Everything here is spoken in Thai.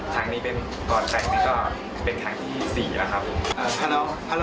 ทางนี้เป็นก่อนไปนี่ก็เป็นทางที่๔แล้วครับ